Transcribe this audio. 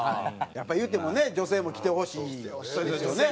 やっぱ言うてもね女性も来てほしいですよね。